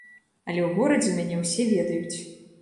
Але ў горадзе мяне ўсе ведаюць.